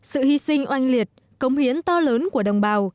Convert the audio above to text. sự hy sinh oanh liệt công hiến to lớn của đồng bào